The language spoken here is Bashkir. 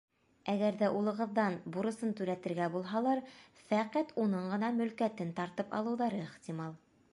Әгәр ҙә улығыҙҙан бурысын түләтергә булһалар, фәҡәт уның ғына мөлкәтен тартып алыуҙары ихтимал.